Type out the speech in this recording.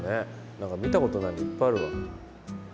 何か見たことないのいっぱいあるわ。